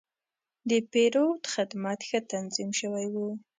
د پیرود خدمت ښه تنظیم شوی و.